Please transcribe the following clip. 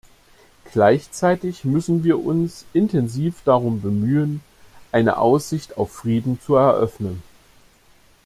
Gleichzeitig müssen wir uns intensiv darum bemühen, eine Aussicht auf Frieden zu eröffnen.